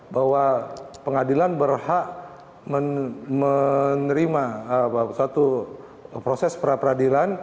bahwa pengadilan berhak menerima suatu proses pra peradilan